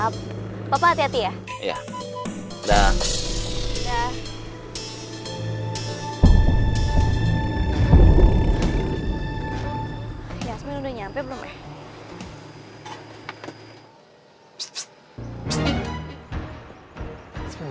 kebenaran tentang istrinya